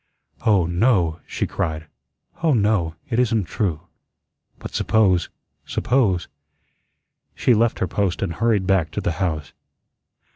"Oh, no," she cried. "Oh, no. It isn't true. But suppose suppose." She left her post and hurried back to the house.